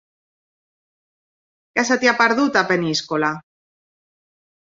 Què se t'hi ha perdut, a Peníscola?